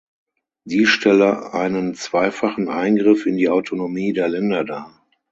Dies stelle einen zweifachen Eingriff in die Autonomie der Länder dar.